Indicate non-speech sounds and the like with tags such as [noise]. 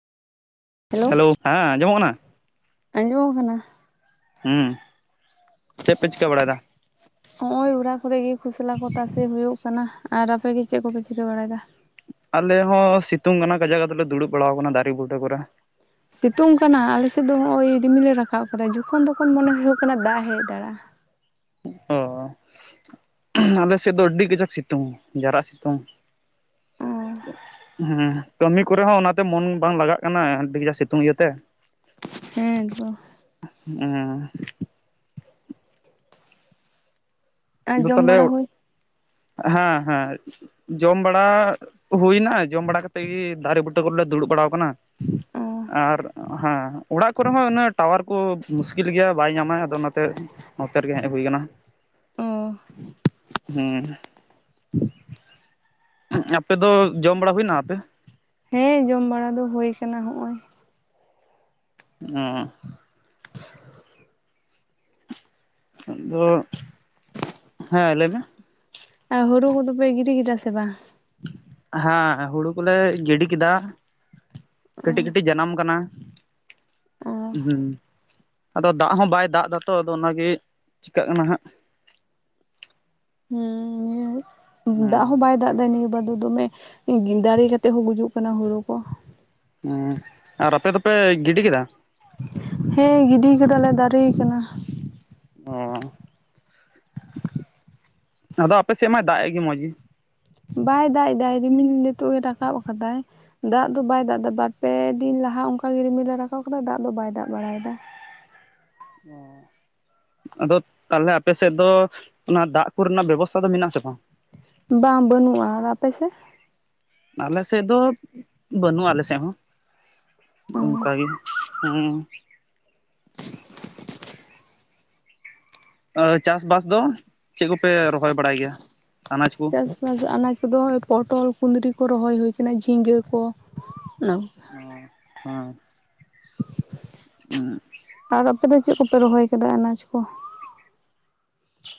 Hello ᱦᱮᱸᱚᱢᱚᱜ ᱠᱟᱱᱟ? ᱟᱸᱡᱚᱜ ᱠᱟᱱᱟ ᱦᱩᱸ ᱪᱮᱫ ᱯᱮ ᱪᱤᱠᱟᱹ ᱵᱟᱲᱟᱭ ᱮᱫᱟ? ᱦᱚᱜᱼᱚᱭ ᱚᱲᱟᱜ ᱠᱚᱨᱮ ᱜᱮ ᱠᱷᱚᱥᱞᱟ ᱠᱚ ᱛᱟᱥᱮ ᱦᱩᱭᱩᱜ ᱠᱟᱱᱟ ᱟᱨ ᱟᱯᱮᱜ ᱜᱮ ᱪᱮᱫ ᱠᱚᱯᱮ ᱪᱤᱠᱟᱹ ᱵᱟᱲᱟᱭ ᱮᱫᱟ? ᱟᱞᱮ ᱦᱚᱸ ᱥᱤᱛᱩᱝ ᱠᱟᱱᱟ ᱠᱟᱡᱟᱠ ᱛᱮᱞᱮ ᱫᱩᱲᱩᱵ ᱵᱟᱲᱟ ᱟᱠᱟᱱᱟ ᱫᱟᱨᱮ ᱵᱩᱴᱟᱹ ᱠᱚᱨᱮ᱾ ᱥᱤᱛᱩᱝ ᱠᱟᱱᱟ? ᱟᱞᱮᱥᱮᱫ ᱫᱚ ᱦᱚᱸᱜᱼᱚᱭ ᱨᱤᱢᱤᱞᱮ ᱨᱟᱠᱟᱵ ᱟᱠᱟᱫᱟ ᱡᱚᱠᱷᱚᱱ ᱛᱚᱠᱷᱚᱱ ᱢᱚᱱᱮ ᱦᱩᱭᱩᱜ ᱠᱟᱱᱟ ᱫᱟᱜ ᱦᱮᱡ ᱫᱟᱲᱮᱭᱟᱜᱼᱟ᱾ ᱦᱚᱸᱻ ᱟᱞᱮ ᱥᱮᱫ ᱫᱚ ᱟᱹᱰᱤ ᱜᱟᱡᱟᱠ ᱥᱤᱛᱩᱝ ᱡᱟᱨᱟᱜ ᱥᱤᱛᱩᱝᱼᱼ ᱦᱮᱸ ᱠᱟᱹᱢᱤ ᱠᱚᱨᱮ ᱦᱚᱸ ᱚᱱᱟᱛᱮ ᱢᱚᱱ ᱵᱟᱝ ᱞᱟᱜᱟᱜ ᱠᱟᱱᱟ ᱟᱹᱰᱤ ᱜᱟᱡᱟᱠ ᱥᱤᱛᱩᱝ ᱤᱭᱟᱹᱛᱮᱼᱼ ᱦᱮᱸ ᱛᱚ ᱦᱮᱸ ᱟᱨ ᱡᱚᱢ ᱛᱚᱵᱮ ᱵᱟᱲᱟ ᱦᱩᱭ ᱦᱮᱸ ᱦᱮᱸ ᱡᱚᱢ ᱵᱟᱲᱟᱼᱼ ᱦᱩᱭᱱᱟ ᱡᱚᱢ ᱵᱟᱲᱟ ᱠᱟᱛᱮᱫ ᱜᱮ ᱫᱟᱨᱮ ᱵᱩᱴᱟᱹ ᱠᱚᱨᱮᱫ ᱞᱮ ᱫᱩᱲᱩᱵ ᱵᱟᱲᱟ ᱟᱠᱟᱱᱟ᱾ ᱚ ᱟᱨ ᱦᱮᱸ ᱚᱲᱟᱜ ᱠᱚᱨᱮ ᱦᱚᱸ ᱩᱱᱟᱹᱜ ᱴᱟᱣᱟᱨ ᱠᱚ ᱢᱩᱥᱠᱤᱞ ᱜᱮᱭᱟ ᱵᱟᱭ ᱧᱟᱢᱟ ᱟᱫᱚ ᱚᱱᱟᱛᱮᱼᱼ ᱱᱚᱛᱮ ᱨᱮᱜᱮ ᱦᱮᱡ ᱦᱩᱭ ᱟᱠᱟᱱᱟ᱾ ᱚ ᱦᱩᱸ ᱟᱯᱮ ᱫᱚ ᱡᱚᱢ ᱵᱟᱲᱟ ᱦᱩᱭᱱᱟ ᱟᱯᱮ? ᱦᱮᱸ ᱡᱚᱢ ᱵᱟᱲᱟ ᱫᱚ ᱦᱩᱭᱟ ᱟᱠᱟᱱᱟ ᱦᱚᱜᱼᱚᱭ᱾ ᱚᱸᱻ ᱟᱫᱚᱼᱼ ᱦᱮᱸ ᱞᱟᱹᱭ ᱢᱮ? ᱟᱨ ᱦᱩᱲᱩ ᱠᱚᱫᱚ ᱯᱮ ᱜᱤᱰᱤ ᱠᱮᱫᱟ ᱥᱮ ᱵᱟᱝ? ᱦᱮᱸ ᱦᱩᱲᱩ ᱠᱚᱞᱮ ᱜᱤᱰᱤ ᱠᱮᱫᱟ᱾ ᱠᱟᱹᱴᱤᱡ ᱠᱟᱹᱴᱤᱡ ᱡᱟᱱᱟᱢ ᱟᱠᱟᱱᱟ᱾ ᱚ ᱟᱫᱚ ᱫᱟᱜ ᱦᱚᱸ ᱵᱟᱭ ᱫᱟᱜ ᱮᱫᱟᱛᱚ ᱟᱫᱚ ᱚᱱᱟᱜᱮ ᱪᱤᱠᱟᱹᱜ ᱠᱟᱱᱟ ᱦᱟᱸᱜ? ᱦᱩᱸ ᱫᱟᱜ ᱦᱩᱸ ᱦᱚᱸ ᱵᱟᱭᱼᱼ ᱫᱟᱜ ᱫ ᱱᱤᱭᱟᱹ ᱵᱟ ᱫᱚ ᱫᱚᱢᱮ ᱜᱮᱸᱫᱟᱨᱮ ᱠᱟᱛᱮᱮᱫ ᱦᱚᱸ ᱜᱩᱡᱩᱜ ᱠᱟᱱᱟ ᱦᱩᱲᱩ ᱠᱚ ᱦᱮᱸᱻ ᱟᱨ ᱟᱯᱮ ᱫᱚᱯᱮ ᱜᱤᱰᱤ ᱠᱮᱫᱟ? ᱦᱮᱸ ᱜᱤᱰᱤ ᱟᱠᱟᱫᱟ ᱞᱮ ᱫᱟᱨᱮ ᱟᱠᱟᱱᱟ᱾ ᱚᱸ ᱟᱫᱚ ᱟᱯᱮ ᱥᱮᱫ ᱢᱟᱭ ᱫᱟᱜ ᱮᱫ ᱜᱮ ᱢᱚᱡᱽ ᱜᱮᱼᱼ ᱵᱟᱭ ᱫᱟᱜ ᱮᱫᱟ ᱨᱤᱢᱤᱞ ᱱᱤᱛᱚᱜ ᱜᱮ ᱨᱟᱠᱟᱵ ᱟᱠᱟᱫᱟᱭ᱾ ᱫᱟᱜ ᱫᱚ ᱵᱟᱭ ᱫᱟᱜ ᱮᱫᱟ ᱵᱟᱨᱼᱯᱮ ᱫᱤᱱ ᱞᱟᱦᱟ ᱚᱱᱠᱟ ᱜᱮ ᱨᱤᱢᱤᱞᱮ ᱨᱟᱠᱟᱵ ᱠᱟᱫᱟ ᱫᱟᱜ ᱫᱚ ᱵᱟᱭ ᱫᱟᱜ ᱵᱟᱲᱟᱭᱮᱫᱟ᱾ ᱚᱸ ᱟᱫᱚ ᱛᱟᱦᱚᱞᱮ ᱟᱯᱮᱥᱮᱫ ᱫᱚ ᱚᱱᱟ ᱫᱟᱜ ᱠᱚᱨᱮᱱᱟᱜ ᱵᱮᱵᱚᱥᱛᱷᱟ ᱫᱚ ᱢᱮᱱᱟᱜ-ᱟ ᱥᱮ ᱵᱟᱝ? ᱵᱟᱝ ᱵᱟᱹᱱᱩᱜᱼᱟ ᱟᱨ ᱟᱯᱮ ᱥᱮᱫ? ᱟᱞᱮ ᱥᱮᱫ ᱫᱚ ᱵᱟᱹᱱᱩᱜᱼᱟ ᱟᱞᱮ ᱥᱮᱫ ᱦᱚᱸ? ᱚᱸ ᱚᱱᱠᱟ ᱜᱮ ᱦᱮᱸᱼᱼ ᱟᱨ ᱪᱟᱥᱵᱟᱥ ᱫᱚ ᱪᱮᱫ ᱠᱚᱯᱮ ᱨᱚᱦᱚᱭ ᱵᱟᱲᱟᱭ ᱜᱮᱭᱟ ᱟᱱᱟᱡᱽ ᱠᱩ [unintelligible] ᱟᱱᱟᱡᱽ ᱠᱚᱫᱚ ᱯᱚᱴᱚᱞ ᱠᱩᱸᱫᱽᱨᱤ ᱠᱚ ᱨᱚᱦᱚᱭ ᱦᱩᱭ ᱟᱠᱟᱱᱟ ᱡᱷᱤᱸᱜᱟᱹ ᱠᱚ ᱚᱱᱟ ᱠᱚ᱾ ᱚ ᱟᱸ ᱦᱩᱸ ᱾ ᱟᱨ ᱟᱯᱮᱫ ᱫᱚ ᱪᱮᱫ ᱠᱚᱯᱮ ᱨᱚᱦᱚᱭ ᱟᱠᱟᱫᱟ ᱟᱱᱟᱡ ᱠᱚ?